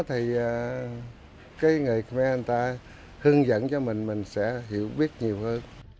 thì người khmer người ta hướng dẫn cho mình mình sẽ hiểu biết nhiều hơn